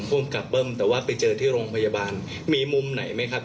ภูมิกับเบิ้มแต่ว่าไปเจอที่โรงพยาบาลมีมุมไหนไหมครับ